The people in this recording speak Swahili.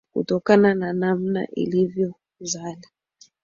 kutokana na namna inavyozali